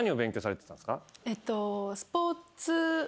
えっとスポーツ。